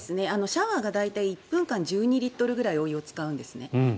シャワーが大体１分間で１２リットルぐらいお湯を使うんですね。